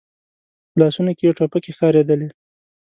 په لاسونو کې يې ټوپکې ښکارېدلې.